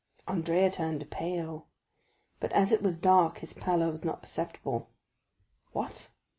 Andrea turned pale, but as it was dark his pallor was not perceptible. "What?